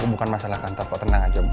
bukan masalah kantor kok tenang aja